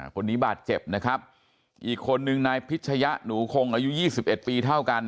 คนนี้บาดเจ็บนะครับอีกคนนึงนายพิชยะหนูคงอายุยี่สิบเอ็ดปีเท่ากัน